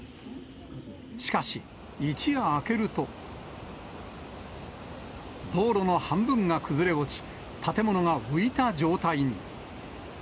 しかし、一夜明けると、道路の半分が崩れ落ち、建物が浮いた状態に。